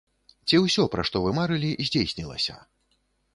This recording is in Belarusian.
Ці ўсё, пра што вы марылі, здзейснілася?